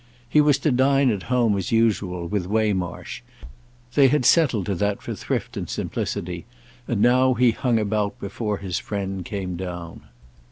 He was to dine at home, as usual, with Waymarsh—they had settled to that for thrift and simplicity; and he now hung about before his friend came down.